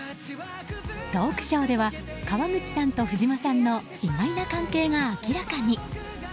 トークショーでは川口さんと藤間さんの意外な関係が明らかに。